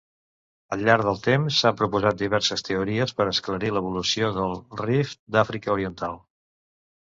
Al llarg del temps, s'han proposat diverses teories per esclarir l'evolució del Rift d'Àfrica Oriental.